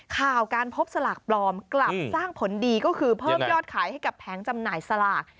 ข่าวการพบสลากปลอมกลับสร้างผลดีก็คือเพิ่มยอดขายให้กับแผงจำหน่ายสลาก